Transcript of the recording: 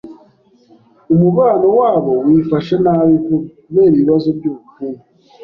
Umubano wabo wifashe nabi vuba kubera ibibazo byubukungu.